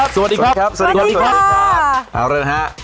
สวัสดีครับ